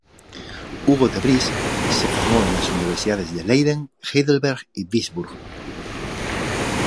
Hugo De Vries se formó en las universidades de Leiden, Heidelberg y Würzburg.